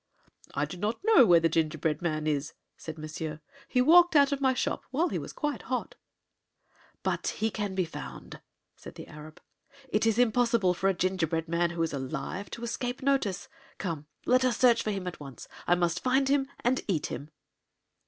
"I do not know where the gingerbread man is," said Monsieur. "He walked out of my shop while he was quite hot." "But he can be found," said the Arab. "It is impossible for a gingerbread man, who is alive, to escape notice. Come, let us search for him at once! I must find him and eat him."